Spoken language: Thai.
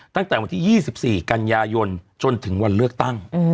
ตั้งแต่วันที่๒๔กันยายนจนถึงวันเลือกตั้ง